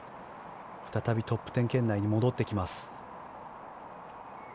再びトップ１０圏内に戻ってきます。